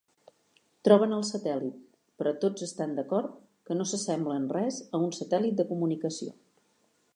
Troben el satèl·lit, però tots estan d'acord que no s'assembla en res a un satèl·lit de comunicació.